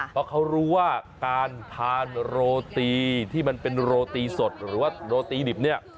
เพราะเขารู้ว่าการทานโรตีที่มันเป็นโรตีสดหรือว่าโรตีดิบเนี่ย